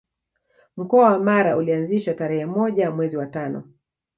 Mkoa wa Mara ulianzishwa tarerhe moja mwezi wa tano